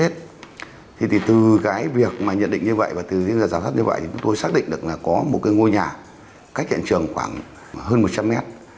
thì từ cái việc mà nhận định như vậy và từ những giảm sát như vậy tôi xác định được là có một cái ngôi nhà cách hiện trường khoảng hơn một trăm linh mét